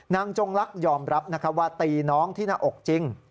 จงลักษยอมรับว่าตีน้องที่หน้าอกจริง